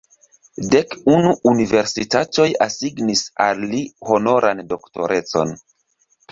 Dek unu universitatoj asignis al li honoran doktorecon.